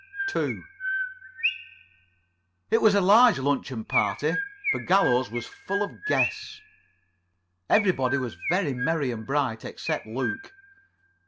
2 It was a large luncheon party, for Gallows was full of guests. Everybody was very merry and bright, except Luke.